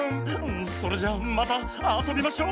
それじゃまたあそびましょ。